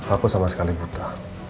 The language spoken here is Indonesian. aku sama sekali buta